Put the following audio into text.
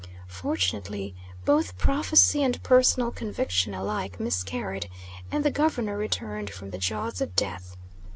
Fortunately both prophecy and personal conviction alike miscarried, and the Governor returned from the jaws of death.